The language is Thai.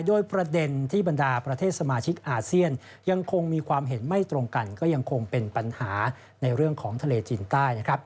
โดยประเด็นที่บรรดาประเทศสมาชิกอาเซียนยังคงมีความเห็นไม่ตรงกันก็ยังคงเป็นปัญหาในเรื่องของทะเลจีนใต้